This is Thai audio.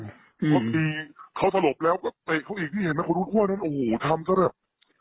บางทีเขาสลบแล้วก็เตะเขาอีกที่เห็นมันคนรุ่นคว่านั้นโอ้โหทำก็เรียบ